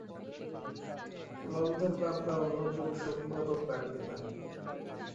নন্দর বাপ বা অন্য পুরুষ অভিভাবক বাড়িতে নাই।